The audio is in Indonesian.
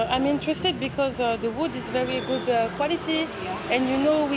saya tertarik karena kayu ini kualitasnya sangat bagus